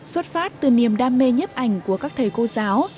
xuất phát từ niềm đam mê nhấp ảnh của các thầy cô giáo